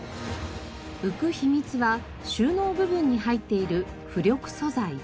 浮く秘密は収納部分に入っている浮力素材。